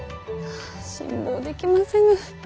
辛抱できませぬ。